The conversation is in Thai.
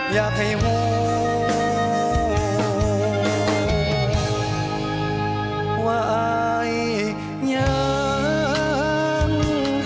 อยากให้หัวอายยังห่าง